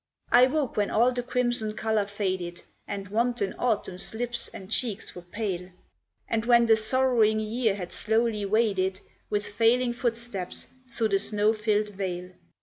I woke when all the crimson colour faded And wanton Autumn's lips and cheeks were pale; And when the sorrowing year had slowly waded, With failing footsteps, through the snow filled vale.